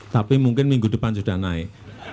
tapi mungkin minggu depan sudah naik